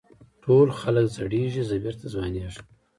ټول خلک زړېږي زه بېرته ځوانېږم.